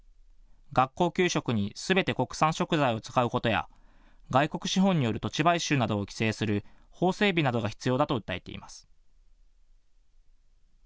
学校給食にすべて国産食材を使うことや、外国資本による土地買収などを規制する法整備などが必要だと訴えています。